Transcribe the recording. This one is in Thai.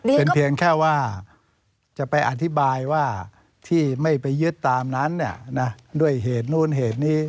เป็นเพียงแค่ว่าจะไปอธิบายว่าที่ไม่ไปยึดตามนั้นด้วยเหตุนู้นเหตุนี้